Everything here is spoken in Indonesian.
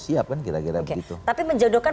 siap kan kira kira begitu tapi menjodohkan